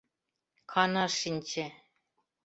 Канаш шинче.